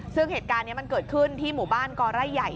ซึ่งเหตุการณ์นี้มันเกิดขึ้นที่หมู่บ้านกอไร่ใหญ่